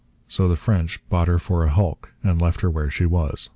So the French bought her for a hulk and left her where she was.